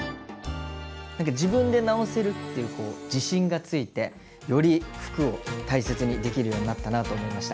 何か自分で直せるっていうこう自信がついてより服を大切にできるようになったなと思いました。